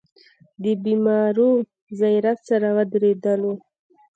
د بېمارو زيارت سره ودرېدلو.